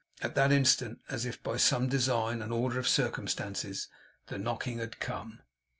At that instant, as if by some design and order of circumstances, the knocking had come.